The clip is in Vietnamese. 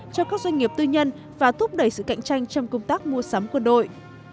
cho các doanh nghiệp tư nhân và thúc đẩy sự cạnh tranh trong công tác mua sắm quân đội